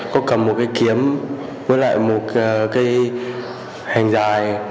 có cầm một cái kiếm với lại một cái hành dài